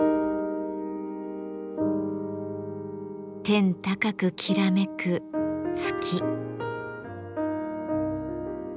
天高くきらめく月。